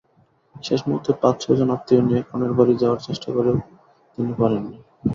শেষ মুহূর্তে পাঁচ-ছয়জন আত্মীয় নিয়ে কনের বাড়ি যাওয়ার চেষ্টা করেও তিনি পারেননি।